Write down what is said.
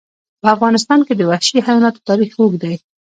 په افغانستان کې د وحشي حیواناتو تاریخ اوږد دی.